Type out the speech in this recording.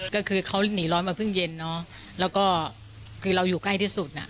ก็คือเขาหนีร้อนมาเพิ่งเย็นเนอะแล้วก็คือเราอยู่ใกล้ที่สุดอ่ะ